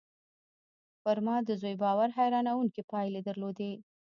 پر ما د زوی باور حيرانوونکې پايلې درلودې